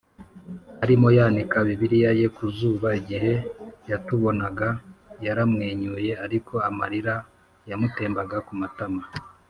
Arimo yanika bibiliya ye ku zuba igihe yatubonaga yaramwenyuye ariko amarira yamutembaga ku matama